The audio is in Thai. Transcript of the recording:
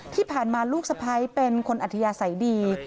ที่ผ่านมาลูกสะพ้ายเป็นคนอัธยาศัยดี